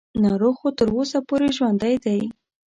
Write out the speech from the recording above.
ناروغ خو تر اوسه پورې ژوندی دی.